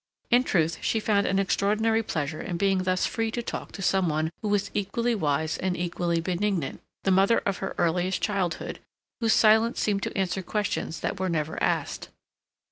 In truth, she found an extraordinary pleasure in being thus free to talk to some one who was equally wise and equally benignant, the mother of her earliest childhood, whose silence seemed to answer questions that were never asked.